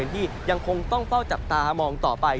ที่ยังคงต้องเฝ้าจับตามองต่อไป